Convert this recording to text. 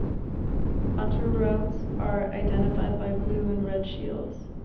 Autoroutes are identified by blue-and-red shields.